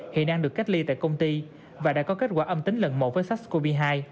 hiện đang được cách ly tại công ty và đã có kết quả âm tính lần một với sars cov hai